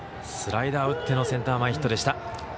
スライダーを打ってのセンター前ヒットでした。